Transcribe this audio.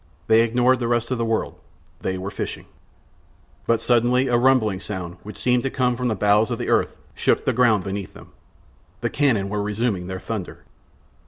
They ignored the rest of the world; they were fishing. But suddenly a rumbling sound, which seemed to come from the bowels of the earth, shook the ground beneath them: the cannon were resuming their thunder.